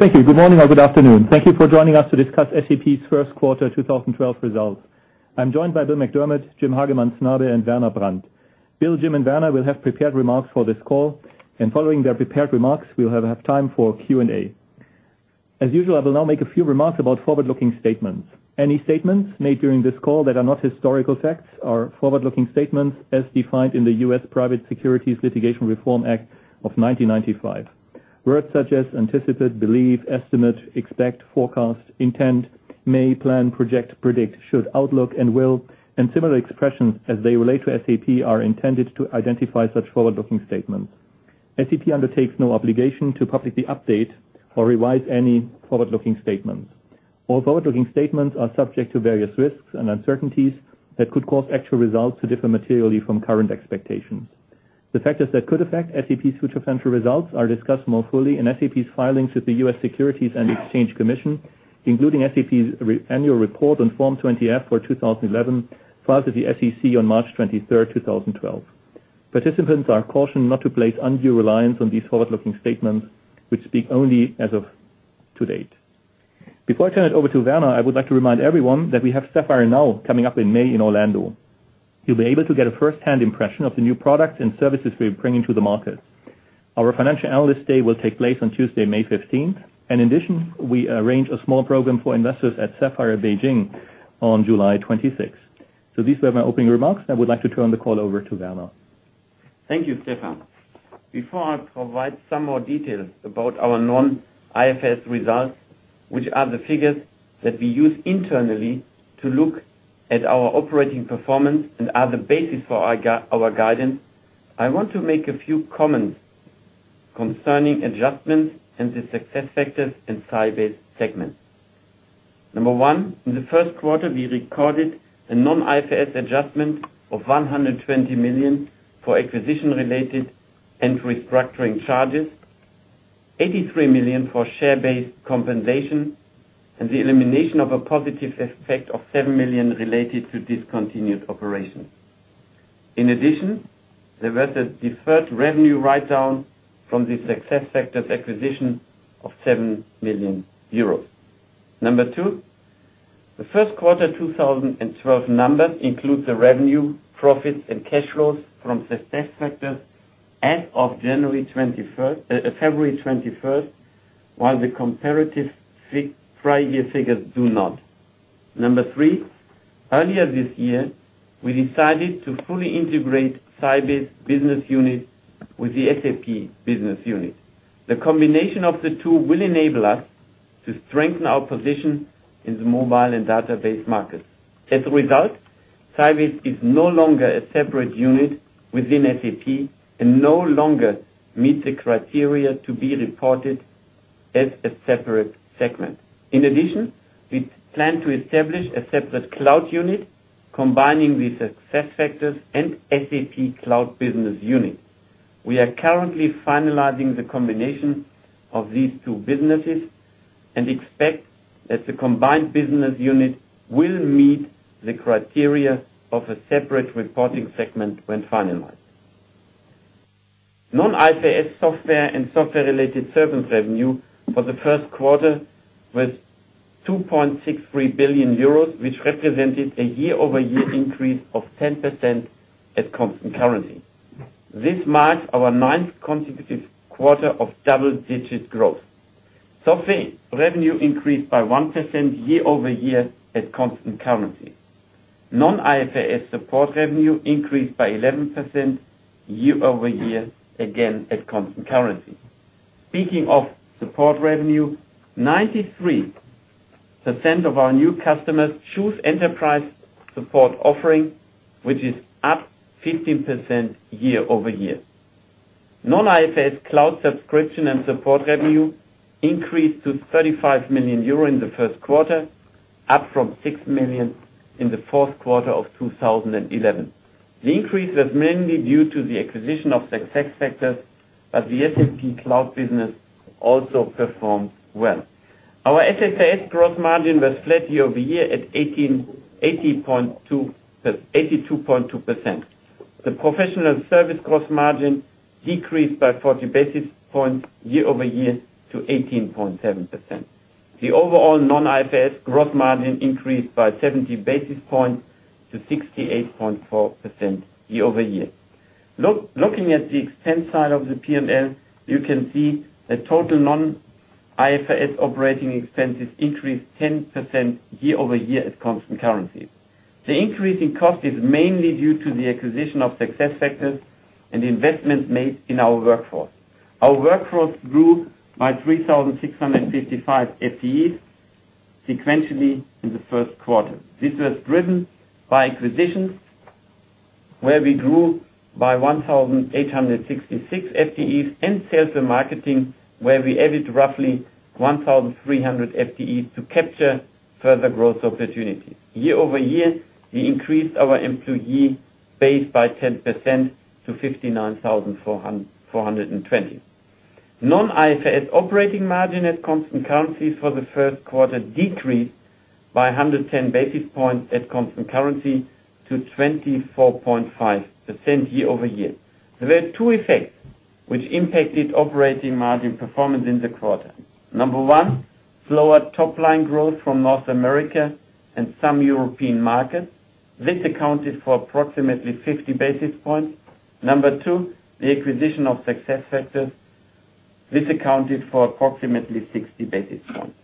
Thank you. Good morning or good afternoon. Thank you for joining us to discuss SAP's first quarter 2012 results. I'm joined by Bill McDermott, Jim Hagemann Snabe, and Werner Brandt. Bill, Jim, and Werner will have prepared remarks for this call. Following their prepared remarks, we'll have time for Q&A. As usual, I will now make a few remarks about forward-looking statements. Any statements made during this call that are not historical facts are forward-looking statements as defined in the U.S. Private Securities Litigation Reform Act of 1995. Words such as anticipate, believe, estimate, expect, forecast, intend, may, plan, project, predict, should, outlook, and will, and similar expressions as they relate to SAP are intended to identify such forward-looking statements. SAP undertakes no obligation to publicly update or revise any forward-looking statement. All forward-looking statements are subject to various risks and uncertainties that could cause actual results to differ materially from current expectations. The factors that could affect SAP's future financial results are discussed more fully in SAP's filings with the U.S. Securities and Exchange Commission, including SAP's annual report on Form 20-F for 2011 filed at the SEC on March 23, 2012. Participants are cautioned not to place undue reliance on these forward-looking statements, which speak only as of today. Before I turn it over to Werner, I would like to remind everyone that we have SAPPHIRE Now coming up in May in Orlando. You'll be able to get a firsthand impression of the new products and services we're bringing to the market. Our financial analysts' day will take place on Tuesday, May 15. In addition, we arrange a small program for investors at SAPPHIRE Beijing on July 26. These were my opening remarks. I would like to turn the call over to Werner. Thank you, Stefan. Before I provide some more detail about our non-IFRS results, which are the figures that we use internally to look at our operating performance and are the basis for our guidance, I want to make a few comments concerning adjustments and the SuccessFactors and Sybase segments. Number one, in the first quarter, we recorded a non-IFRS adjustment of $120 million for acquisition-related and restructuring charges, $83 million for share-based compensation, and the elimination of a positive effect of $7 million related to discontinued operations. In addition, there was a deferred revenue write-down from the SuccessFactors acquisition of 7 million euros. Number two, the first quarter 2012 number includes the revenue, profit, and cash flows from SuccessFactors as of February 21, while the comparative prior-year figures do not. Number three, earlier this year, we decided to fully integrate the Sybase Business Unit with the SAP Business Unit. The combination of the two will enable us to strengthen our position in the mobile and database market. As a result, Sybase is no longer a separate unit within SAP and no longer meets the criteria to be reported as a separate segment. In addition, we plan to establish a separate cloud unit combining the SuccessFactors and SAP Cloud Business Unit. We are currently finalizing the combination of these two businesses and expect that the combined business unit will meet the criteria of a separate reporting segment when finalized. Non-IFRS software and software-related service revenue for the first quarter was 2.63 billion euros, which represented a year-over-year increase of 10% at constant currency. This marks our ninth consecutive quarter of double-digit growth. Software revenue increased by 1% year-over-year at constant currency. Non-IFRS support revenue increased by 11% year-over-year, again at constant currency. Speaking of support revenue, 93% of our new customers choose the enterprise support offering, which is up 15% year-over-year. Non-IFRS cloud subscription and support revenue increased to 35 million euro in the first quarter, up from 6 million in the fourth quarter of 2011. The increase was mainly due to the acquisition of SuccessFactors, but the SAP cloud business also performed well. Our SFS gross margin was flat year-over-year at 82.2%. The professional service gross margin decreased by 40 basis points year-over-year to 18.7%. The overall non-IFRS gross margin increased by 70 basis points to 68.4% year-over-year. Looking at the expense side of the P&L, you can see that total non-IFRS operating expenses increased 10% year-over-year at constant currency. The increase in cost is mainly due to the acquisition of SuccessFactors and investments made in our workforce. Our workforce grew by 3,655 FTEs sequentially in the first quarter. This was driven by acquisitions, where we grew by 1,866 FTEs, and sales and marketing, where we added roughly 1,300 FTEs to capture further growth opportunities. Year-over-year, we increased our employee base by 10% to 59,420. Non-IFRS operating margin at constant currency for the first quarter decreased by 110 basis points at constant currency to 24.5% year-over-year. There were two effects which impacted operating margin performance in the quarter. Number one, slower top-line growth from North America and some European markets. This accounted for approximately 50 basis points. Number two, the acquisition of SuccessFactors. This accounted for approximately 60 basis points.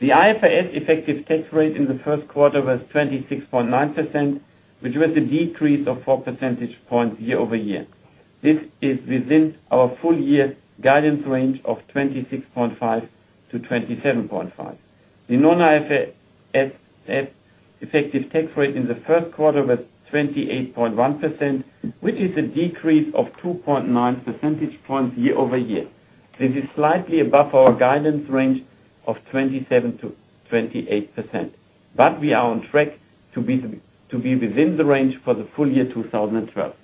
The IFRS effective tax rate in the first quarter was 26.9%, which was a decrease of 4 percentage points year-over-year. This is within our full-year guidance range of 26.5%-27.5%. The non-IFRS effective tax rate in the first quarter was 28.1%, which is a decrease of 2.9 percentage points year-over-year. This is slightly above our guidance range of 27%-28%. We are on track to be within the range for the full year 2012.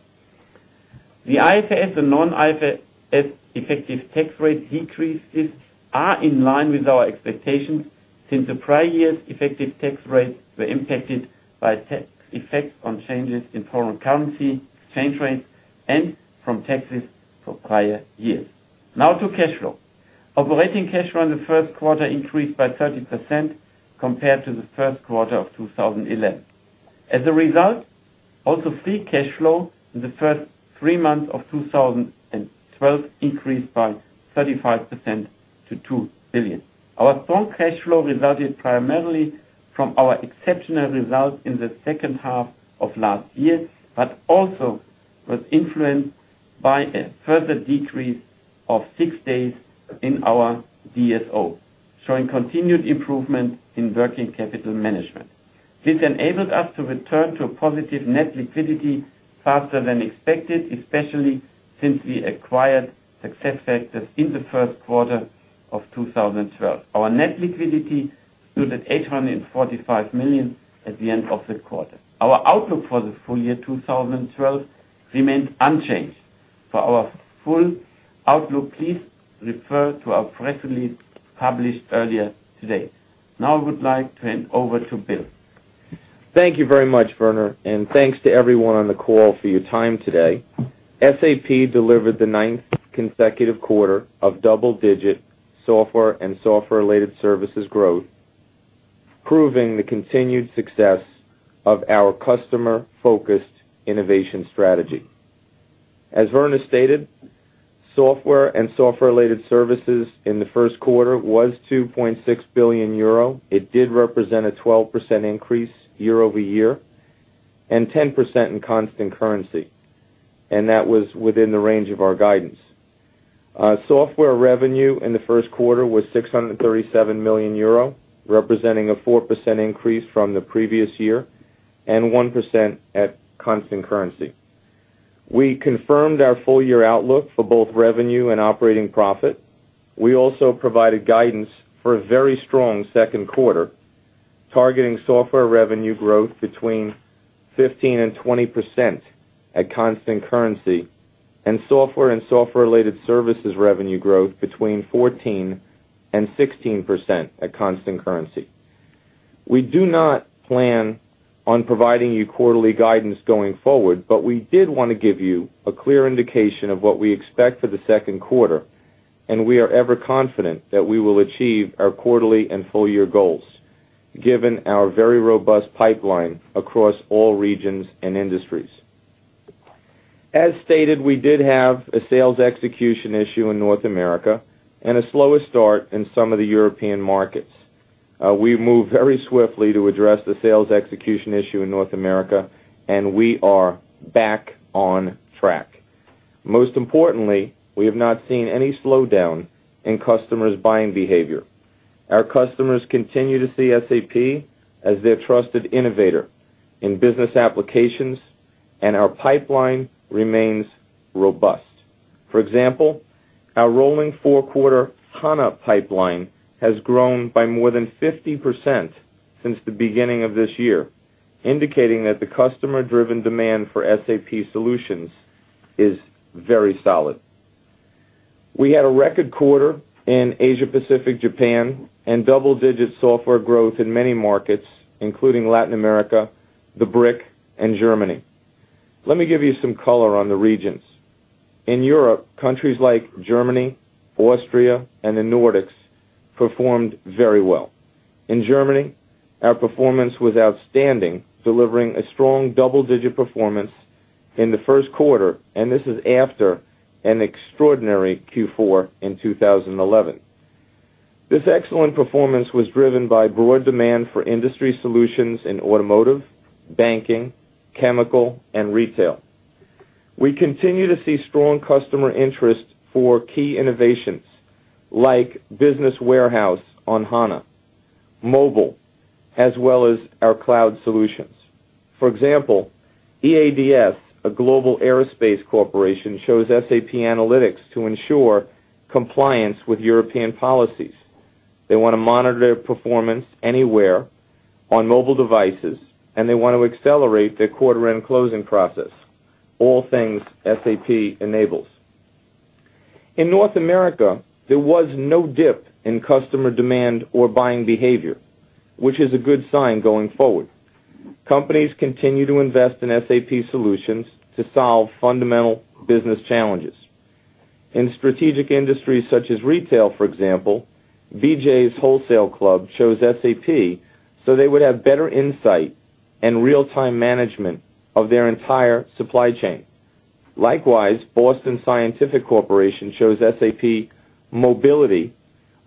The IFRS and non-IFRS effective tax rate decreases are in line with our expectations since the prior year's effective tax rates were impacted by tax effects on changes in foreign currency exchange rates and from taxes for prior years. Now to cash flow. Operating cash flow in the first quarter increased by 30% compared to the first quarter of 2011. As a result, also free cash flow in the first three months of 2012 increased by 35% to $2 billion. Our strong cash flow resulted primarily from our exceptional result in the second half of last year, but also was influenced by a further decrease of six days in our DSO, showing continued improvement in working capital management. This enabled us to return to a positive net liquidity faster than expected, especially since we acquired SuccessFactors in the first quarter of 2012. Our net liquidity stood at $845 million at the end of the quarter. Our outlook for the full year 2012 remains unchanged. For our full outlook, please refer to our press release published earlier today. Now I would like to hand over to Bill. Thank you very much, Werner, and thanks to everyone on the call for your time today. SAP delivered the ninth consecutive quarter of double-digit software and software-related services growth, proving the continued success of our customer-focused innovation strategy. As Werner stated, software and software-related services in the first quarter was 2.6 billion euro. It did represent a 12% increase year-over-year and 10% in constant currency. That was within the range of our guidance. Software revenue in the first quarter was 637 million euro, representing a 4% increase from the previous year and 1% at constant currency. We confirmed our full-year outlook for both revenue and operating profit. We also provided guidance for a very strong second quarter, targeting software revenue growth between 15% and 20% at constant currency, and software and software-related services revenue growth between 14% and 16% at constant currency. We do not plan on providing you quarterly guidance going forward, but we did want to give you a clear indication of what we expect for the second quarter. We are ever confident that we will achieve our quarterly and full-year goals, given our very robust pipeline across all regions and industries. As stated, we did have a sales execution issue in North America and a slow start in some of the European markets. We moved very swiftly to address the sales execution issue in North America, and we are back on track. Most importantly, we have not seen any slowdown in customers' buying behavior. Our customers continue to see SAP as their trusted innovator in business applications, and our pipeline remains robust. For example, our rolling four-quarter SAP HANA pipeline has grown by more than 50% since the beginning of this year, indicating that the customer-driven demand for SAP solutions is very solid. We had a record quarter in Asia-Pacific, Japan, and double-digit software growth in many markets, including Latin America, the BRIC, and Germany. Let me give you some color on the regions. In Europe, countries like Germany, Austria, and the Nordics performed very well. In Germany, our performance was outstanding, delivering a strong double-digit performance in the first quarter, and this is after an extraordinary Q4 in 2011. This excellent performance was driven by broad demand for industry solutions in automotive, banking, chemical, and retail. We continue to see strong customer interest for key innovations like business warehouse on SAP HANA, mobile, as well as our cloud solutions. For example, EADS, a global aerospace corporation, chose SAP analytics to ensure compliance with European policies. They want to monitor their performance anywhere on mobile devices, and they want to accelerate their quarter-end closing process. All things SAP enables. In North America, there was no dip in customer demand or buying behavior, which is a good sign going forward. Companies continue to invest in SAP solutions to solve fundamental business challenges. In strategic industries such as retail, for example, BJ’s Wholesale Club chose SAP so they would have better insight and real-time management of their entire supply chain. Likewise, Boston Scientific Corporation chose SAP Mobility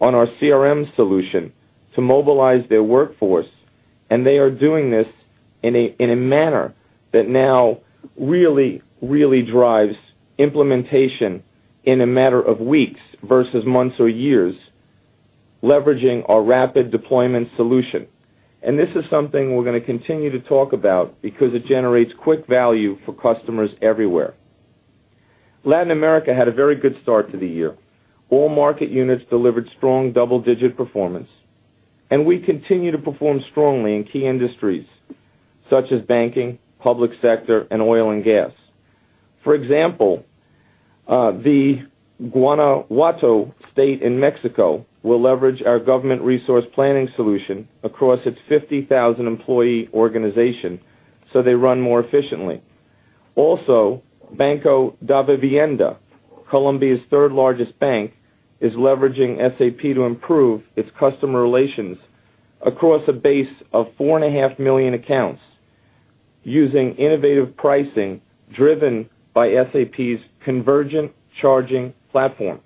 on our CRM solution to mobilize their workforce, and they are doing this in a manner that now really, really drives implementation in a matter of weeks versus months or years, leveraging our rapid deployment solution. This is something we are going to continue to talk about because it generates quick value for customers everywhere. Latin America had a very good start to the year. All market units delivered strong double-digit performance, and we continue to perform strongly in key industries such as banking, public sector, and oil and gas. For example, Guanajuato State in Mexico will leverage our government resource planning solution across its 50,000-employee organization so they run more efficiently. Also, Banco de Vivienda, Colombia’s third-largest bank, is leveraging SAP to improve its customer relations across a base of 4.5 million accounts using innovative pricing driven by SAP’s convergent charging platform.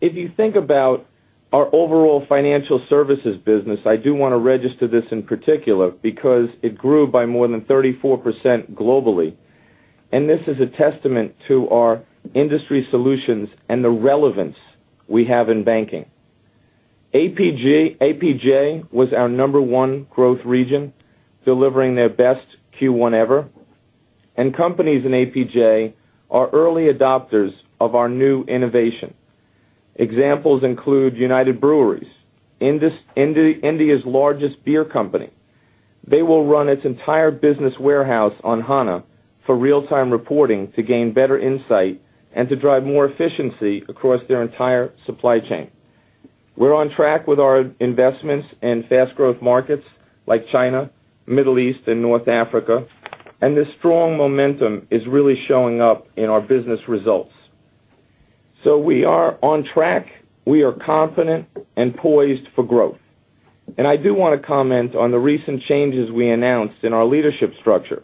If you think about our overall financial services business, I do want to register this in particular because it grew by more than 34% globally. This is a testament to our industry solutions and the relevance we have in banking. APJ was our number one growth region, delivering their best Q1 ever. Companies in APJ are early adopters of our new innovation. Examples include United Breweries, India’s largest beer company. They will run its entire business warehouse on SAP HANA for real-time reporting to gain better insight and to drive more efficiency across their entire supply chain. We're on track with our investments in fast-growth markets like China, Middle East, and North Africa, and this strong momentum is really showing up in our business results. We are on track. We are confident and poised for growth. I do want to comment on the recent changes we announced in our leadership structure.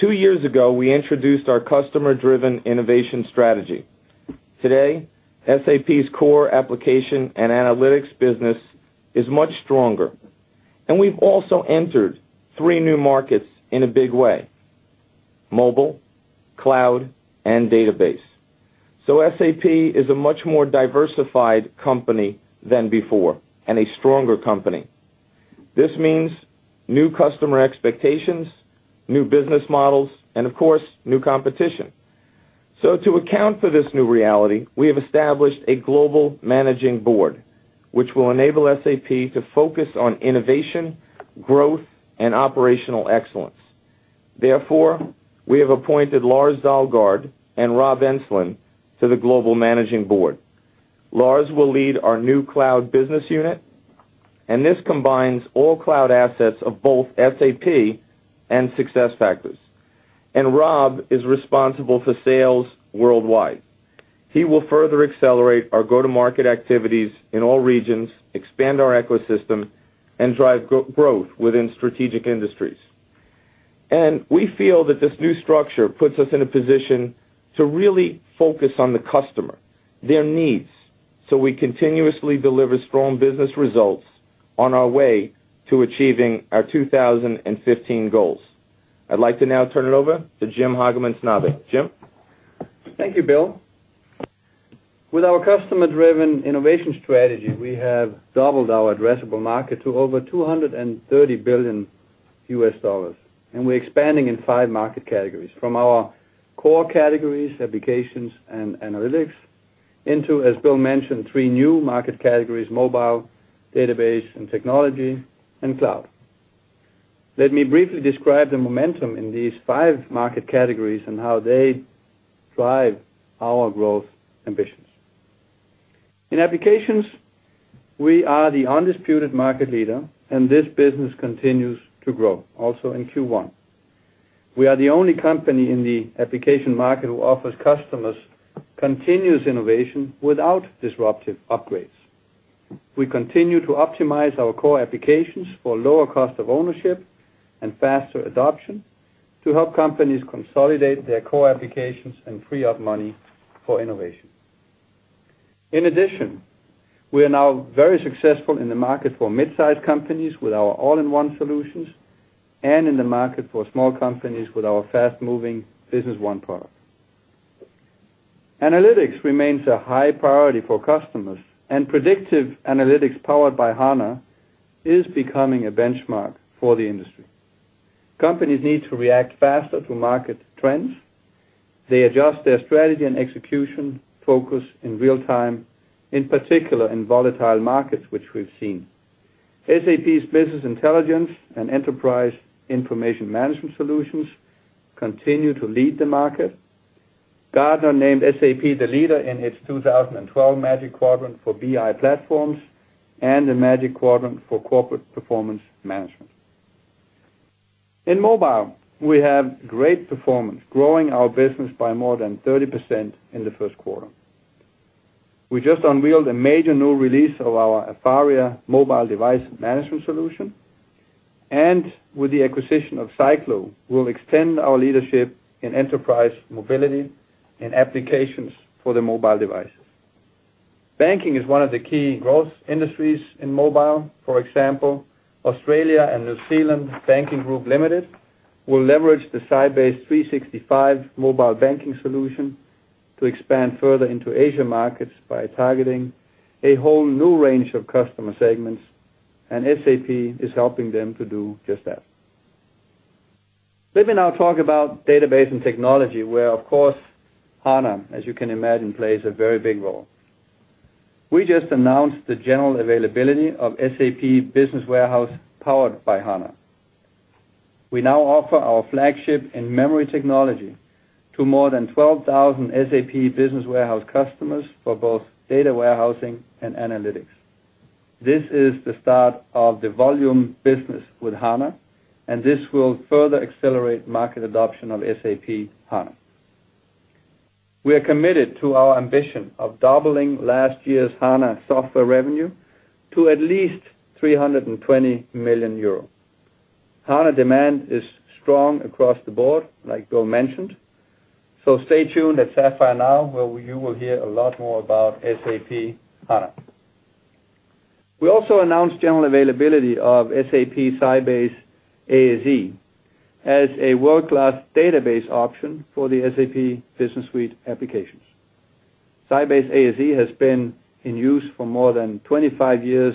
Two years ago, we introduced our customer-driven innovation strategy. Today, SAP's core application and analytics business is much stronger. We've also entered three new markets in a big way: mobile, cloud, and database. SAP is a much more diversified company than before and a stronger company. This means new customer expectations, new business models, and of course, new competition. To account for this new reality, we have established a global managing board, which will enable SAP to focus on innovation, growth, and operational excellence. Therefore, we have appointed Lars Dalgaard and Rob Enslin to the global managing board. Lars will lead our new cloud business unit, and this combines all cloud assets of both SAP and SuccessFactors. Rob is responsible for sales worldwide. He will further accelerate our go-to-market activities in all regions, expand our ecosystem, and drive growth within strategic industries. We feel that this new structure puts us in a position to really focus on the customer, their needs, so we continuously deliver strong business results on our way to achieving our 2015 goals. I'd like to now turn it over to Jim Hagemann Snabe. Jim? Thank you, Bill. With our customer-driven innovation strategy, we have doubled our addressable market to over $230 billion. We are expanding in five market categories from our core categories, applications, and analytics into, as Bill mentioned, three new market categories: mobile, database and technology, and cloud. Let me briefly describe the momentum in these five market categories and how they drive our growth ambitions. In applications, we are the undisputed market leader, and this business continues to grow, also in Q1. We are the only company in the application market who offers customers continuous innovation without disruptive upgrades. We continue to optimize our core applications for a lower cost of ownership and faster adoption to help companies consolidate their core applications and free up money for innovation. In addition, we are now very successful in the market for midsize companies with our all-in-one solutions and in the market for small companies with our fast-moving Business One product. Analytics remains a high priority for customers, and predictive analytics powered by SAP HANA is becoming a benchmark for the industry. Companies need to react faster to market trends. They adjust their strategy and execution focus in real time, in particular in volatile markets, which we've seen. SAP's business intelligence and enterprise information management solutions continue to lead the market. Gartner named SAP the leader in its 2012 Magic Quadrant for BI platforms and the Magic Quadrant for corporate performance management. In mobile, we have great performance, growing our business by more than 30% in the first quarter. We just unveiled a major new release of our Afaria mobile device management solution. With the acquisition of Sybase, we'll extend our leadership in enterprise mobility and applications for mobile devices. Banking is one of the key growth industries in mobile. For example, Australia and New Zealand Banking Group Limited will leverage the Sybase 365 mobile banking solution to expand further into Asia markets by targeting a whole new range of customer segments, and SAP is helping them to do just that. Let me now talk about database and technology, where, of course, SAP HANA, as you can imagine, plays a very big role. We just announced the general availability of SAP Business Warehouse powered by SAP HANA. We now offer our flagship in-memory technology to more than 12,000 SAP Business Warehouse customers for both data warehousing and analytics. This is the start of the volume business with SAP HANA, and this will further accelerate market adoption of SAP HANA. We are committed to our ambition of doubling last year's SAP HANA software revenue to at least 320 million euro. SAP HANA demand is strong across the board, like Bill mentioned. Stay tuned at SAPPHIRE Now, where you will hear a lot more about SAP HANA. We also announced general availability of SAP Sybase ASE as a world-class database option for the SAP Business Suite applications. SAP Sybase ASE has been in use for more than 25 years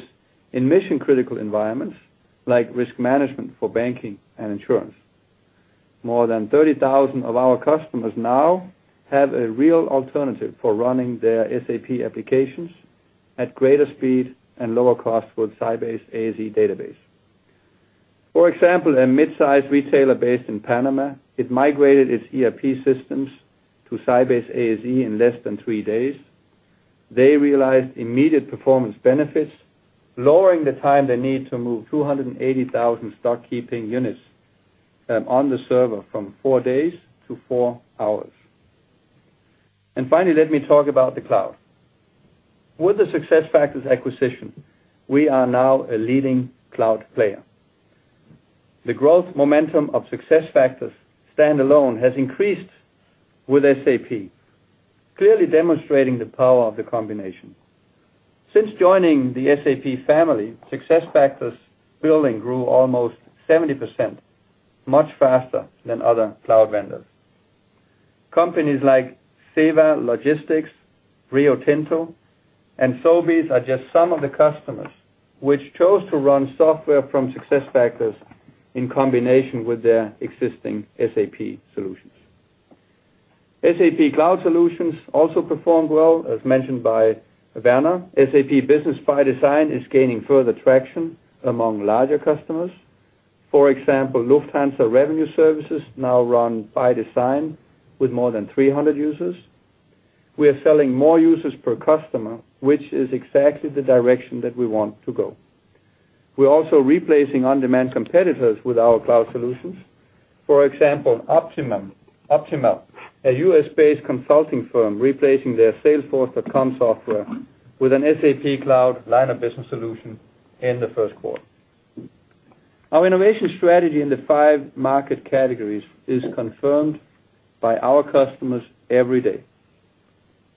in mission-critical environments like risk management for banking and insurance. More than 30,000 of our customers now have a real alternative for running their SAP applications at greater speed and lower cost with SAP Sybase ASE database. For example, a midsize retailer based in Panama migrated its ERP systems to SAP Sybase ASE in less than three days. They realized immediate performance benefits, lowering the time they need to move 280,000 stock keeping units on the server from four days to four hours. Finally, let me talk about the cloud. With the SuccessFactors acquisition, we are now a leading cloud player. The growth momentum of SuccessFactors standalone has increased with SAP, clearly demonstrating the power of the combination. Since joining the SAP family, SuccessFactors billing grew almost 70%, much faster than other cloud vendors. Companies like Ceva Logistics, Rio Tinto, and Sobeys are just some of the customers which chose to run software from SuccessFactors in combination with their existing SAP solutions. SAP Cloud Solutions also performed well, as mentioned by Werner. SAP Business ByDesign is gaining further traction among larger customers. For example, Lufthansa Revenue Services now runs ByDesign with more than 300 users. We are selling more users per customer, which is exactly the direction that we want to go. We are also replacing on-demand competitors with our cloud solutions. For example, Optimum, a U.S.-based consulting firm, replaced their Salesforce.com software with an SAP Cloud line of business solution in the first quarter. Our innovation strategy in the five market categories is confirmed by our customers every day,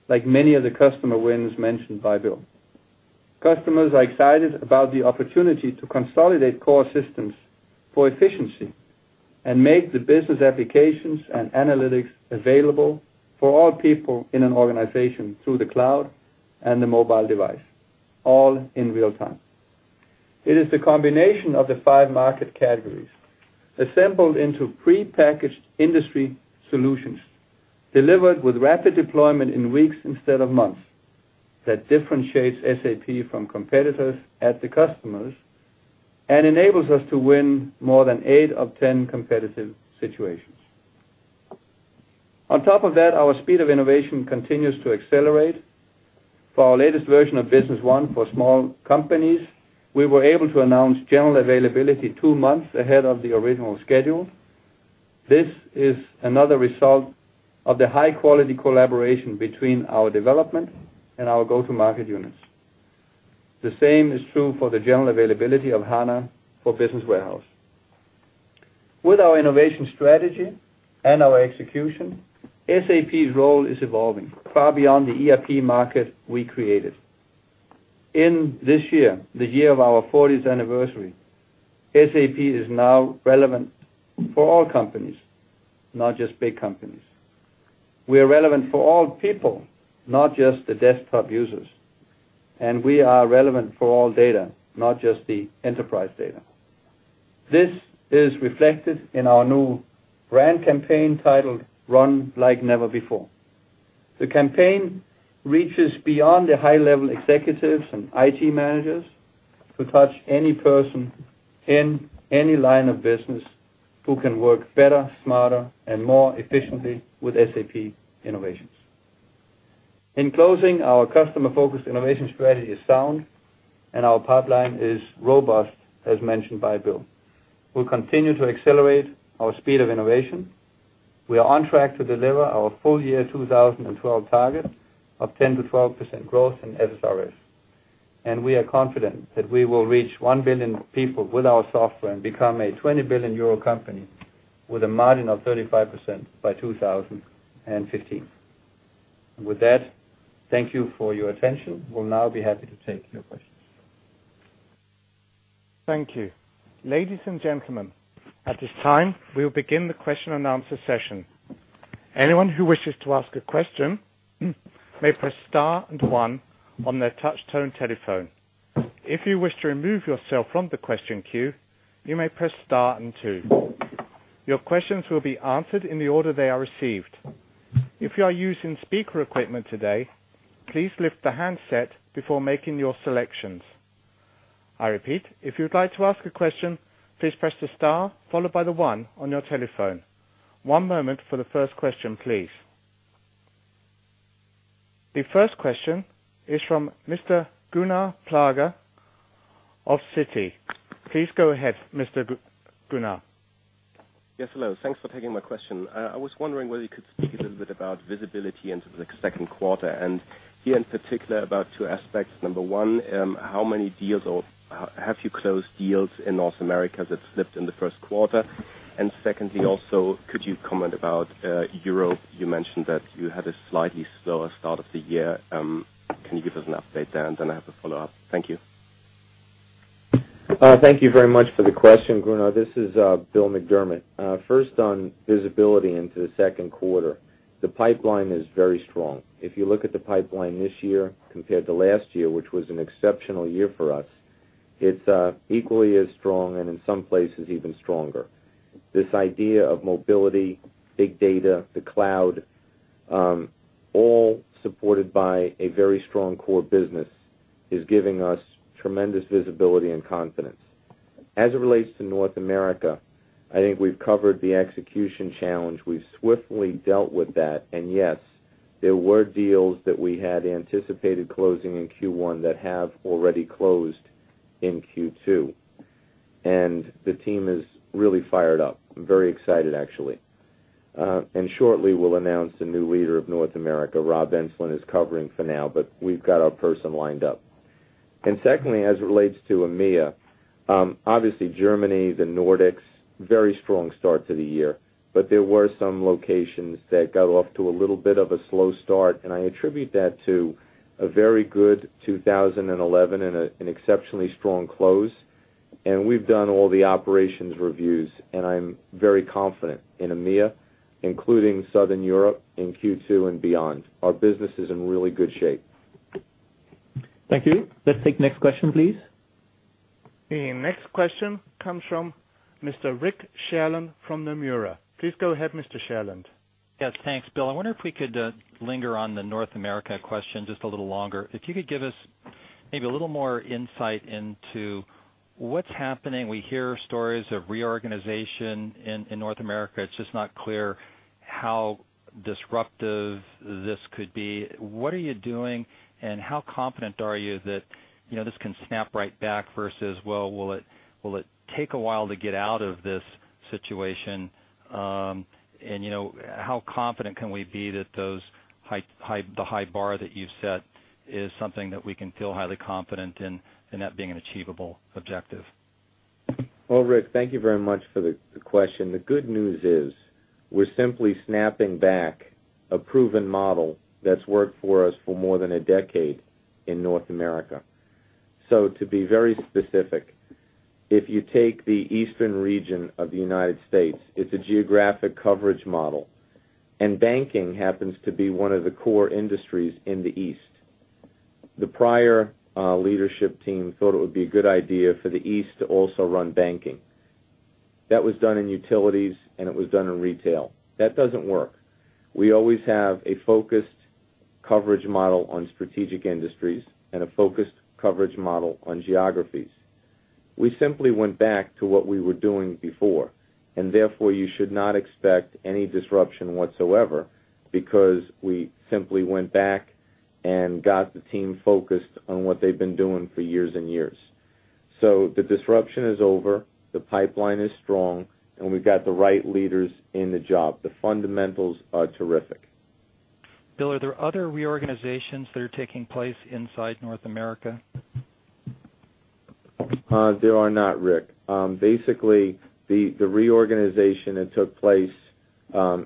like many of the customer wins mentioned by Bill. Customers are excited about the opportunity to consolidate core systems for efficiency and make the business applications and analytics available for all people in an organization through the cloud and the mobile device, all in real time. It is the combination of the five market categories assembled into prepackaged industry solutions delivered with rapid deployment in weeks instead of months that differentiates SAP from competitors at the customers and enables us to win more than eight of 10 competitive situations. On top of that, our speed of innovation continues to accelerate. For our latest version of Business One for small companies, we were able to announce general availability two months ahead of the original schedule. This is another result of the high-quality collaboration between our development and our go-to-market units. The same is true for the general availability of SAP HANA for Business Warehouse. With our innovation strategy and our execution, SAP's role is evolving far beyond the ERP market we created. In this year, the year of our 40th anniversary, SAP is now relevant for all companies, not just big companies. We are relevant for all people, not just the desktop users. We are relevant for all data, not just the enterprise data. This is reflected in our new brand campaign titled "Run Like Never Before." The campaign reaches beyond the high-level executives and IT managers to touch any person in any line of business who can work better, smarter, and more efficiently with SAP innovations. In closing, our customer-focused innovation strategy is sound, and our pipeline is robust, as mentioned by Bill. We'll continue to accelerate our speed of innovation. We are on track to deliver our full-year 2012 target of 10%-12% growth in software and software-related services. We are confident that we will reach 1 billion people with our software and become a 20 billion euro company with a margin of 35% by 2015. Thank you for your attention. We'll now be happy to take your questions. Thank you. Ladies and gentlemen, at this time, we'll begin the question and answer session. Anyone who wishes to ask a question may press star and one on their touch-tone telephone. If you wish to remove yourself from the question queue, you may press star and two. Your questions will be answered in the order they are received. If you are using speaker equipment today, please lift the handset before making your selections. I repeat, if you'd like to ask a question, please press the star followed by the one on your telephone. One moment for the first question, please. The first question is from Mr. Gunnar Flagger of Citi. Please go ahead, Mr. Gunnar. Yes, hello. Thanks for taking my question. I was wondering whether you could speak a little bit about visibility into the second quarter, and here in particular about two aspects. Number one, how many deals or have you closed deals in North America that slipped in the first quarter? Secondly, also, could you comment about Europe? You mentioned that you had a slightly slower start of the year. Can you give us an update there? I have a follow-up. Thank you. Thank you very much for the question, Gunnar. This is Bill McDermott. First, on visibility into the second quarter, the pipeline is very strong. If you look at the pipeline this year compared to last year, which was an exceptional year for us, it's equally as strong and in some places even stronger. This idea of mobility, big data, the cloud, all supported by a very strong core business, is giving us tremendous visibility and confidence. As it relates to North America, I think we've covered the execution challenge. We've swiftly dealt with that. Yes, there were deals that we had anticipated closing in Q1 that have already closed in Q2. The team is really fired up. I'm very excited, actually. Shortly, we'll announce a new leader of North America. Rob Enslin is covering for now, but we've got our person lined up. Secondly, as it relates to EMEA, obviously, Germany, the Nordics, very strong start to the year. There were some locations that got off to a little bit of a slow start. I attribute that to a very good 2011 and an exceptionally strong close. We've done all the operations reviews, and I'm very confident in EMEA, including Southern Europe in Q2 and beyond. Our business is in really good shape. Thank you. Let's take the next question, please. The next question comes from Mr. Rick Sherlund from Nomura. Please go ahead, Mr. Sherlund. Yes, thanks, Bill. I wonder if we could linger on the North America question just a little longer. If you could give us maybe a little more insight into what's happening. We hear stories of reorganization in North America. It's just not clear how disruptive this could be. What are you doing? How confident are you that this can snap right back versus will it take a while to get out of this situation? How confident can we be that the high bar that you've set is something that we can feel highly confident in that being an achievable objective? Thank you very much for the question. The good news is we're simply snapping back a proven model that's worked for us for more than a decade in North America. To be very specific, if you take the eastern region of the United States, it's a geographic coverage model. Banking happens to be one of the core industries in the east. The prior leadership team thought it would be a good idea for the east to also run banking. That was done in utilities, and it was done in retail. That doesn't work. We always have a focused coverage model on strategic industries and a focused coverage model on geographies. We simply went back to what we were doing before. Therefore, you should not expect any disruption whatsoever because we simply went back and got the team focused on what they've been doing for years and years. The disruption is over. The pipeline is strong. We've got the right leaders in the job. The fundamentals are terrific. Bill, are there other reorganizations that are taking place inside North America? There are not, Rick. Basically, the reorganization that took place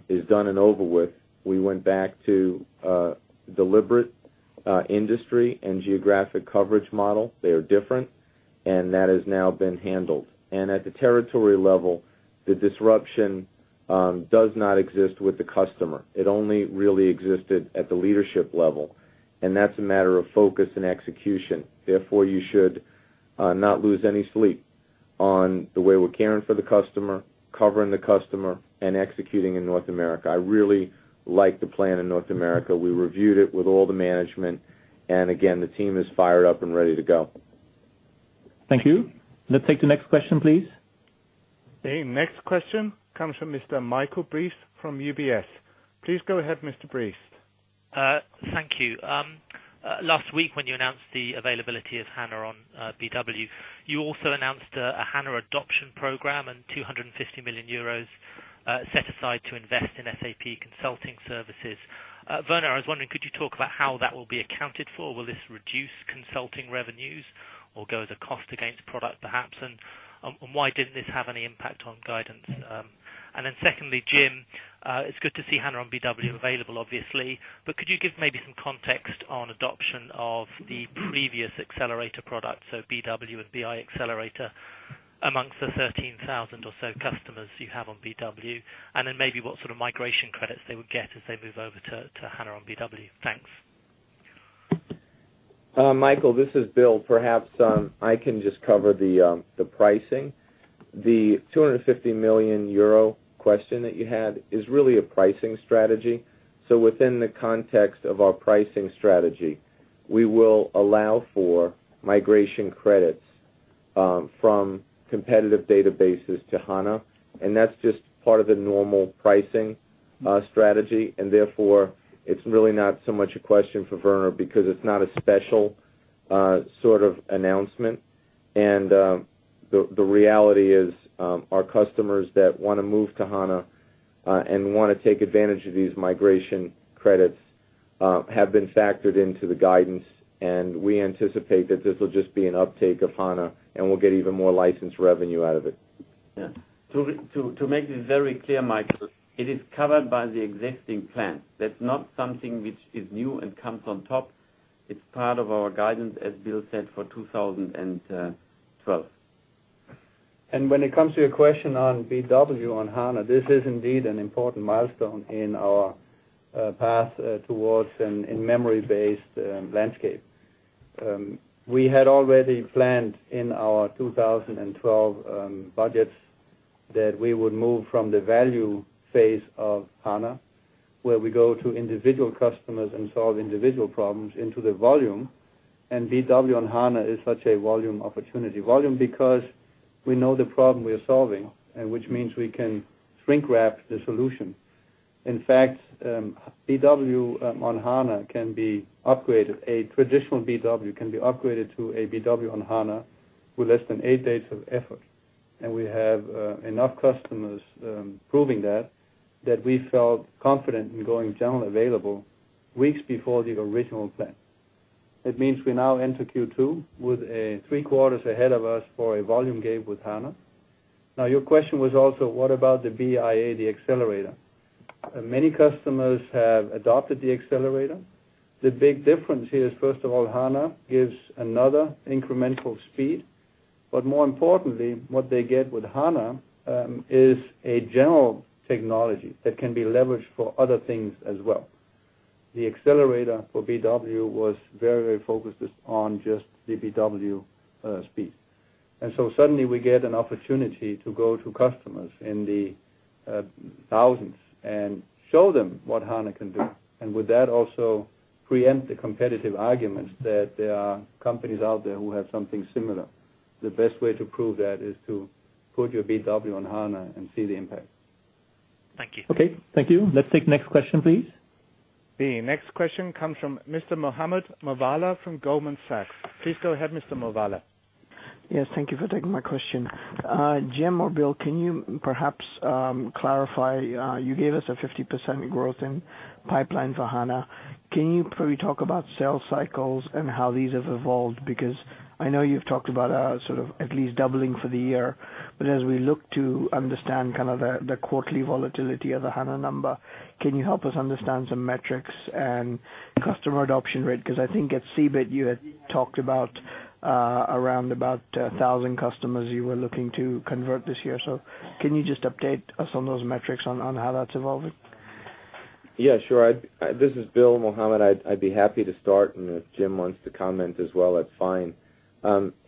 is done and over with. We went back to a deliberate industry and geographic coverage model. They are different. That has now been handled. At the territory level, the disruption does not exist with the customer. It only really existed at the leadership level. That is a matter of focus and execution. Therefore, you should not lose any sleep on the way we're caring for the customer, covering the customer, and executing in North America. I really like the plan in North America. We reviewed it with all the management. The team is fired up and ready to go. Thank you. Let's take the next question, please. The next question comes from Mr. Michael Briest from UBS. Please go ahead, Mr. Briest. Thank you. Last week, when you announced the availability of SAP HANA on BW, you also announced a SAP HANA adoption program and 250 million euros set aside to invest in SAP consulting services. Werner, I was wondering, could you talk about how that will be accounted for? Will this reduce consulting revenues or go as a cost against product, perhaps? Why didn't this have any impact on guidance? Secondly, Jim, it's good to see SAP HANA on BW available, obviously. Could you give maybe some context on adoption of the previous Accelerator products, so BW and BI Accelerator, amongst the 13,000 or so customers you have on BW? Maybe what sort of migration credits they would get as they move over to SAP HANA on BW. Thanks. Michael, this is Bill. Perhaps I can just cover the pricing. The 250 million euro question that you had is really a pricing strategy. Within the context of our pricing strategy, we will allow for migration credits from competitive databases to SAP HANA. That's just part of the normal pricing strategy. Therefore, it's really not so much a question for Werner because it's not a special sort of announcement. The reality is our customers that want to move to SAP HANA and want to take advantage of these migration credits have been factored into the guidance. We anticipate that this will just be an uptake of SAP HANA, and we'll get even more licensed revenue out of it. Yeah. To make it very clear, Michael, it is covered by the existing plan. That's not something which is new and comes on top. It's part of our guidance, as Bill said, for 2012. When it comes to your question on BW on HANA, this is indeed an important milestone in our path towards a memory-based landscape. We had already planned in our 2012 budgets that we would move from the value phase of HANA, where we go to individual customers and solve individual problems, into the volume. BW on HANA is such a volume opportunity because we know the problem we are solving, which means we can shrink-wrap the solution. In fact, BW on HANA can be upgraded. A traditional BW can be upgraded to a BW on HANA with less than eight days of effort. We have enough customers proving that that we felt confident in going general available weeks before the original plan. It means we now enter Q2 with three quarters ahead of us for a volume gape with HANA. Your question was also, what about the BIA, the Accelerator? Many customers have adopted the Accelerator. The big difference here is, first of all, HANA gives another incremental speed. More importantly, what they get with HANA is a general technology that can be leveraged for other things as well. The Accelerator for BW was very, very focused on just the BW speed. Suddenly, we get an opportunity to go to customers in the thousands and show them what HANA can do. With that, also preempt the competitive arguments that there are companies out there who have something similar. The best way to prove that is to put your BW on HANA and see the impact. Thank you. OK. Thank you. Let's take the next question, please. The next question comes from Mr. Mohammed Essaji Moawalla from Goldman Sachs. Please go ahead, Mr. Moawalla. Yes, thank you for taking my question. Jim or Bill, can you perhaps clarify? You gave us a 50% growth in pipeline for SAP HANA. Can you probably talk about sales cycles and how these have evolved? I know you've talked about sort of at least doubling for the year. As we look to understand kind of the quarterly volatility of the SAP HANA number, can you help us understand some metrics and customer adoption rate? I think at CeBIT, you had talked about around about 1,000 customers you were looking to convert this year. Can you just update us on those metrics on how that's evolving? Yeah, sure. This is Bill and Mohammed. I'd be happy to start. If Jim wants to comment as well, that's fine.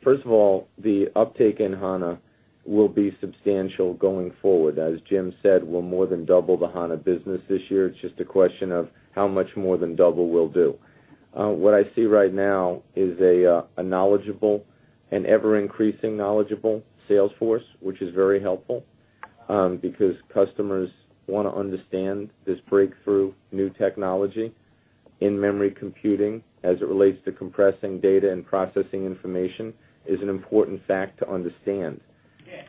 First of all, the uptake in SAP HANA will be substantial going forward. As Jim said, we'll more than double the SAP HANA business this year. It's just a question of how much more than double we'll do. What I see right now is a knowledgeable and ever-increasing knowledgeable sales force, which is very helpful because customers want to understand this breakthrough new technology in memory computing as it relates to compressing data and processing information. It is an important fact to understand.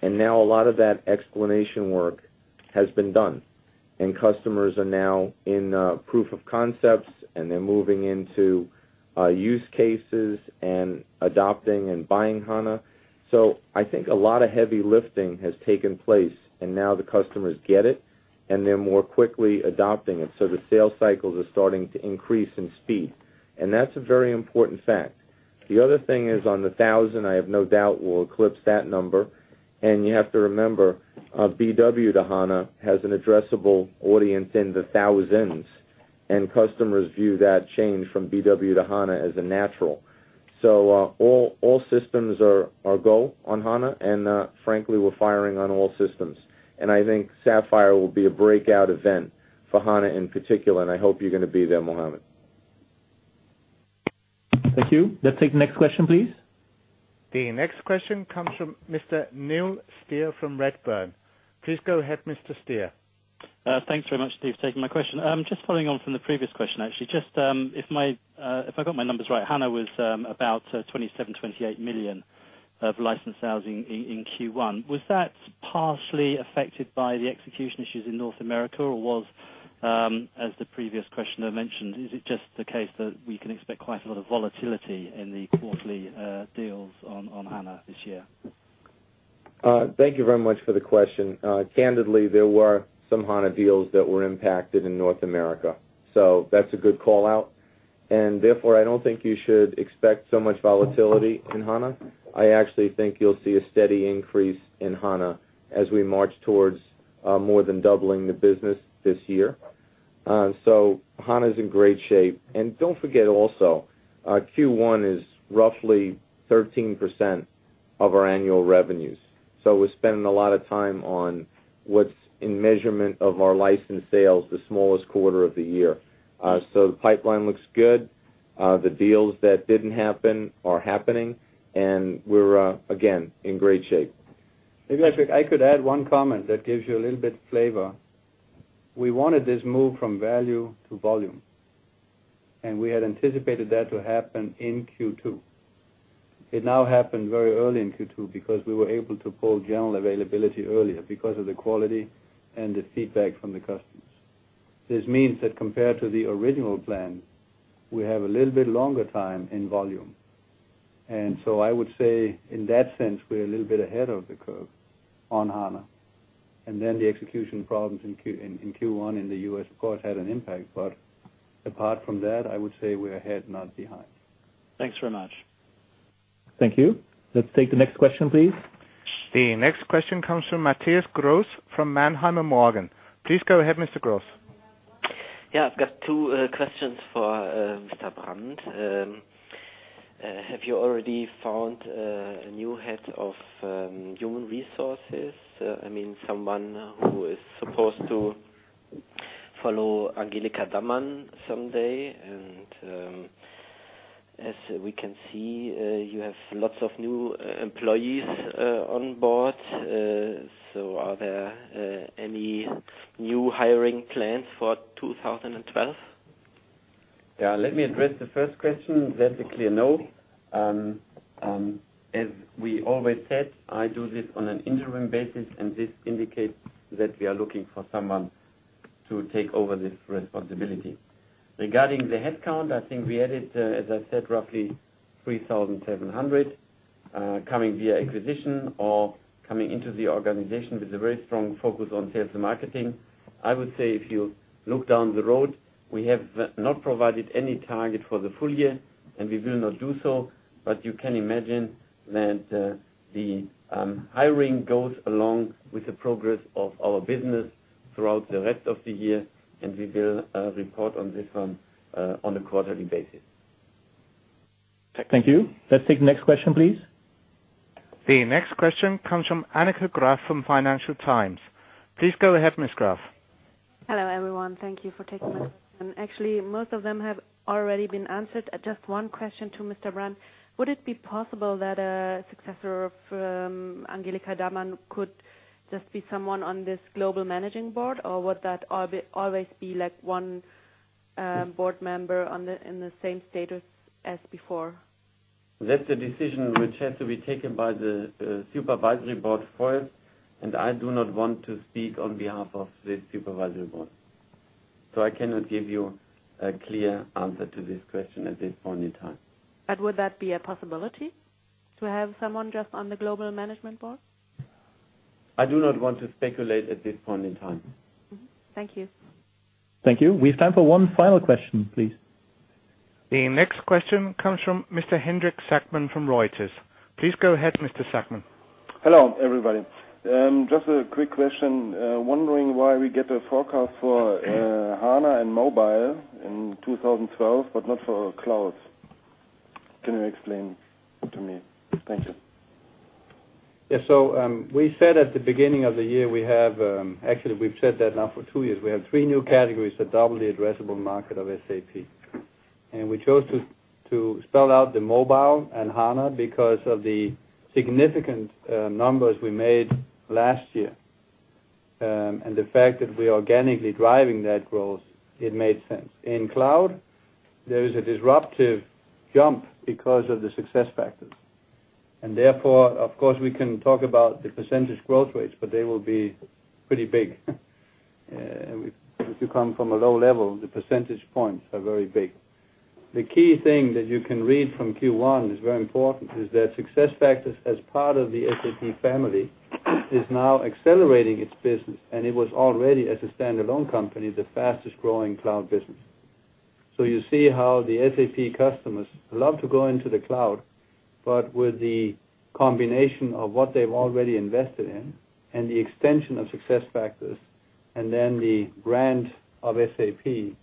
Now a lot of that explanation work has been done. Customers are now in proof of concepts, and they're moving into use cases and adopting and buying SAP HANA. I think a lot of heavy lifting has taken place. Now the customers get it, and they're more quickly adopting it. The sales cycles are starting to increase in speed. That's a very important fact. The other thing is on the 1,000, I have no doubt we'll eclipse that number. You have to remember, BW to SAP HANA has an addressable audience in the thousands. Customers view that change from BW to SAP HANA as a natural. All systems are go on SAP HANA. Frankly, we're firing on all systems. I think SAPPHIRE will be a breakout event for SAP HANA in particular. I hope you're going to be there, Mohamed. Thank you. Let's take the next question, please. The next question comes from Mr. Neil Steer from Redburn. Please go ahead, Mr. Steer. Thanks very much for taking my question. Just following on from the previous question, actually. Just if I got my numbers right, SAP HANA was about $27 million, $28 million of licensed housing in Q1. Was that partially affected by the execution issues in North America? Or was, as the previous questioner mentioned, is it just the case that we can expect quite a lot of volatility in the quarterly deals on SAP HANA this year? Thank you very much for the question. Candidly, there were some SAP HANA deals that were impacted in North America. That's a good call out. Therefore, I don't think you should expect so much volatility in SAP HANA. I actually think you'll see a steady increase in SAP HANA as we march towards more than doubling the business this year. SAP HANA is in great shape. Don't forget also, Q1 is roughly 13% of our annual revenues. We're spending a lot of time on what's in measurement of our licensed sales, the smallest quarter of the year. The pipeline looks good. The deals that didn't happen are happening. We're, again, in great shape. Maybe I could add one comment that gives you a little bit of flavor. We wanted this move from value to volume, and we had anticipated that to happen in Q2. It now happened very early in Q2 because we were able to pull general availability earlier because of the quality and the feedback from the customers. This means that compared to the original plan, we have a little bit longer time in volume. I would say in that sense, we're a little bit ahead of the curve on SAP HANA. The execution problems in Q1 in the U.S., of course, had an impact. Apart from that, I would say we're ahead, not behind. Thanks very much. Thank you. Let's take the next question, please. The next question comes from Matthias Gross from Mannheimer Morgen. Please go ahead, Mr. Gross. Yeah, I've got two questions for Mr. Brandt. Have you already found a new Head of Human Resources? I mean, someone who is supposed to follow Angelika Dammann someday. As we can see, you have lots of new employees on board. Are there any new hiring plans for 2012? Yeah, let me address the first question. That's a clear no. As we always said, I do this on an interim basis. This indicates that we are looking for someone to take over this responsibility. Regarding the headcount, I think we added, as I said, roughly 3,700 coming via acquisition or coming into the organization with a very strong focus on sales and marketing. I would say if you look down the road, we have not provided any target for the full year. We will not do so. You can imagine that the hiring goes along with the progress of our business throughout the rest of the year. We will report on this one on a quarterly basis. Thank you. Let's take the next question, please. The next question comes from Annika Graf from Financial Times. Please go ahead, Ms. Graf. Hello everyone. Thank you for taking my question. Actually, most of them have already been answered. Just one question to Mr. Brandt. Would it be possible that a successor for Angelika Dammann could just be someone on this Global Managing Board? Or would that always be like one board member in the same status as before? That's a decision which has to be taken by the Supervisory Board. I do not want to speak on behalf of the Supervisory Board, so I cannot give you a clear answer to this question at this point in time. Would that be a possibility to have someone just on the Global Management Board? I do not want to speculate at this point in time. Thank you. Thank you. We have time for one final question, please. The next question comes from Mr. Hendrik Sackmann from Reuters. Please go ahead, Mr. Sackmann. Hello, everybody. Just a quick question. Wondering why we get a forecast for SAP HANA and mobile in 2012, but not for cloud. Can you explain to me? Thank you. Yes, so we said at the beginning of the year we have actually, we've said that now for two years. We have three new categories that double the addressable market of SAP. We chose to spell out the mobile and SAP HANA because of the significant numbers we made last year and the fact that we are organically driving that growth. It made sense. In cloud, there is a disruptive jump because of the SuccessFactors. Therefore, of course, we can talk about the percentage growth rates, but they will be pretty big. If you come from a low level, the percentage points are very big. The key thing that you can read from Q1 is very important is that SuccessFactors, as part of the SAP family, is now accelerating its business. It was already, as a standalone company, the fastest growing cloud business. You see how the SAP customers love to go into the cloud. With the combination of what they've already invested in and the extension of SuccessFactors and then the brand of SAP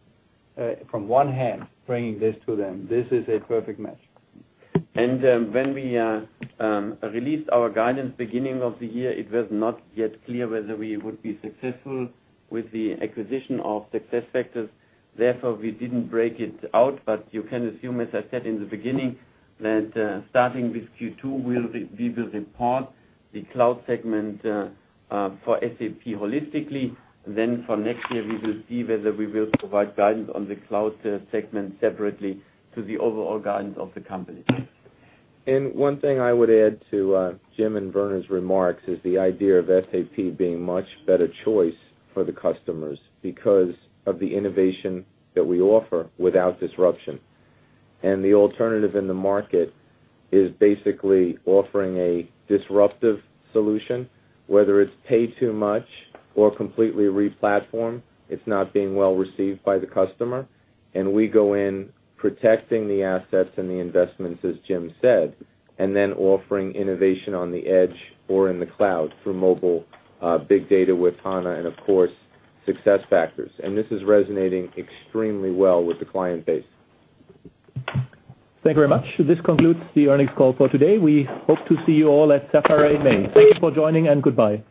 from one hand bringing this to them, this is a perfect match. When we released our guidance beginning of the year, it was not yet clear whether we would be successful with the acquisition of SuccessFactors. Therefore, we didn't break it out. You can assume, as I said in the beginning, that starting with Q2, we will report the cloud segment for SAP holistically. For next year, we will see whether we will provide guidance on the cloud segment separately to the overall guidance of the company. One thing I would add to Jim and Werner's remarks is the idea of SAP being a much better choice for the customers because of the innovation that we offer without disruption. The alternative in the market is basically offering a disruptive solution, whether it's pay too much or completely replatform. It's not being well received by the customer. We go in protecting the assets and the investments, as Jim said, and then offering innovation on the edge or in the cloud through mobile, big data with SAP HANA, and of course, SuccessFactors. This is resonating extremely well with the client base. Thank you very much. This concludes the earnings call for today. We hope to see you all at SAPPHIRE in May. Thank you for joining, and goodbye.